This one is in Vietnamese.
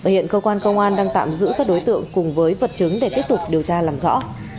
hiện cơ quan công an đang tạm giữ các đối tượng cùng với vật chứng để tiếp tục điều tra làm rõ